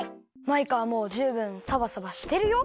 マイカはもうじゅうぶんサバサバしてるよ。